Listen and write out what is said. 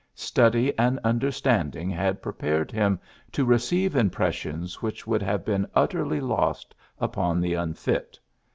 Studv and understanding had prepared him to re ceive impressions which would have been utterly lost upon the unfit.